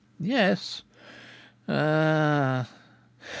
"Yes." "Ah!